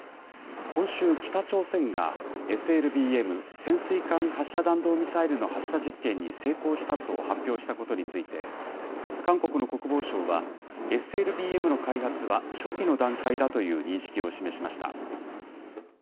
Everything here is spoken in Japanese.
今週、北朝鮮がＳＬＢＭ・潜水艦発射弾道ミサイルの発射実験に成功したと発表したことについて、韓国の国防相は、ＳＬＢＭの開発は初期の段階だという認識を示しました。